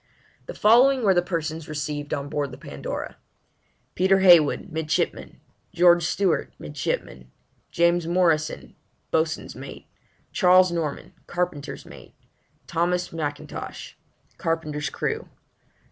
The following were the persons received on Board the Pandora: PETER HEYWOOD Midshipman. GEORGE STEWART Ditto. JAMES MORRISON Boatswain's mate. CHARLES NORMAN Carpenter's mate. THOMAS M'INTOSH Carpenter's crew.